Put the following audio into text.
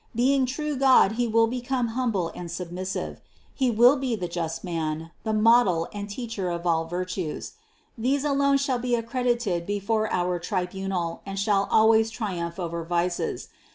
Being true God He will become humble and submissive. He will be the Just Man, the Model and Teacher of all virtues. These alone shall be accredited before our tribunal and shall always triumph over vices.